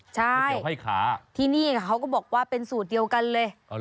ใช่ที่นี่เขาก็บอกว่าเป็นสูตรเดียวกันเลย